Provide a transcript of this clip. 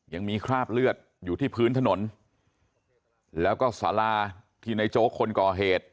ยังมีคราบเลือดอยู่ที่พื้นถนนแล้วก็สาราที่ในโจ๊กคนก่อเหตุ